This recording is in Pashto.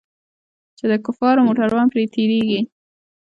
چې د کفارو موټران پر تېرېږي.